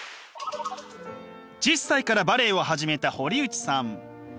１０歳からバレエを始めた堀内さん。